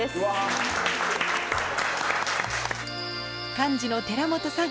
幹事の寺本さん